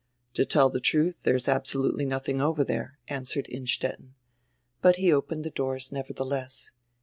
"To tell die trudi, diere is abso lutely nothing over there," answered Innstetten, but he opened die doors nevertheless.